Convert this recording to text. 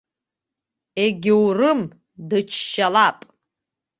Егьаурым, дыччалап!